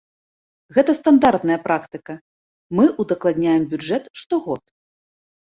Гэта стандартная практыка, мы ўдакладняем бюджэт штогод.